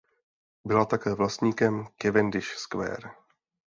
Byla také vlastníkem Cavendish Square.